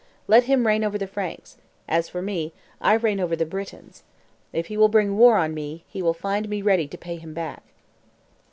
Let him reign over the Franks; as for me, I reign over the Britons. If he will bring war on me, he will find me ready to pay him back."